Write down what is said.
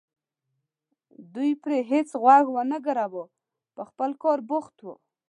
دوی پرې هېڅ غوږ ونه ګراوه په خپل کار بوخت وو.